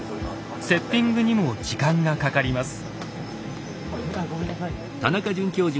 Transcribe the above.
セッティングにも時間がかかります。